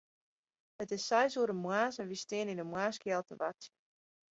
It is seis oere moarns en wy steane yn 'e moarnskjeld te wachtsjen.